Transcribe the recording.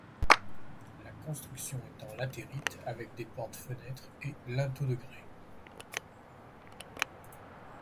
La construction est en latérite, avec des portes, fenêtres et linteaux de grès.